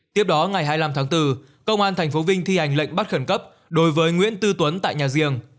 tiếp đó ngày hai mươi năm tháng bốn công an tp vinh thi hành lệnh bắt khẩn cấp đối với nguyễn tư tuấn tại nhà riêng